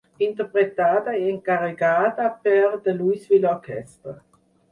Interpretada i encarregada per The Louisville Orchestra.